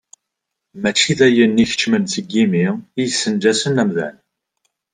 Mačči d ayen ikeččmen seg yimi i yessenǧasen amdan.